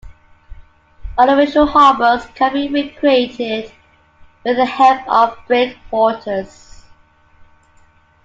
Artificial harbours can be created with the help of breakwaters.